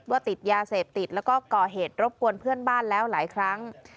ว่าติดยาเสพติดแล้วก็ก่อเหตุรบกวนเพื่อนบ้านแล้วหลายครั้ง